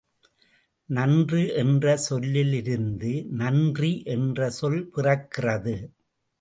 நன்று என்ற சொல்லிலிருந்து நன்றி என்ற சொல் பிறக்கிறது.